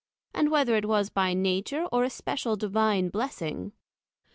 and whether it was by Nature, or a special Divine blessing?